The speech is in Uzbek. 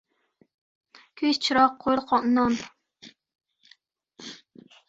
• Ko‘z — chiroq, qo‘l — non.